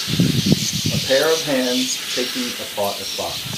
A pair of hands taking apart a clock.